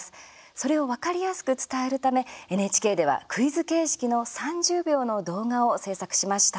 それを分かりやすく伝えるためＮＨＫではクイズ形式の３０秒の動画を制作しました。